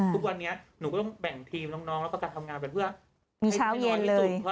ทุกวันนี้หนูก็ต้องแบ่งทีมน้องแล้วก็การทำงานแบบเพื่อ